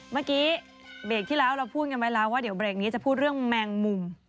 เมื่อกี้เบรกที่แล้วเราพูดกันไว้แล้วว่าเดี๋ยวเบรกนี้จะพูดเรื่องแมงมุม